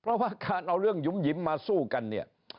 เพราะว่าการเอาเรื่องหยุ่มหยิมมาสู้กันเนี่ย